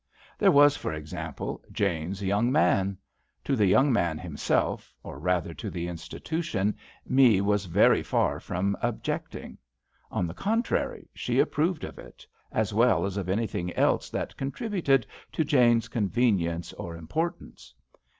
There was, for example, Jane*s young man. To the young man himself, or rather to the institution. Me was very for from objecting. On the contrary, she approved of it, as well as of anything else that contributed to Jane*s convenience or impor tance.